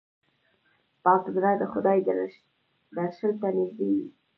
پاک زړه د خدای درشل ته نږدې وي.